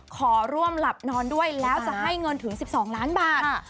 ขอร่วมหลับนอนด้วยแล้วจะให้เงินถึง๑๒ล้านบาท